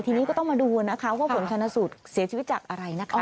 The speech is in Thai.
ทีนี้ก็ต้องมาดูนะคะว่าผลชนะสูตรเสียชีวิตจากอะไรนะคะ